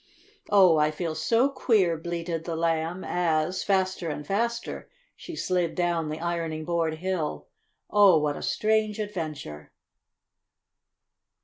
"Oh, I feel so queer!" bleated the Lamb as, faster and faster, she slid down the ironing board hill. "Oh, what a strange adventure!"